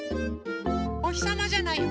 おひさまじゃないよ。